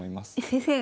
先生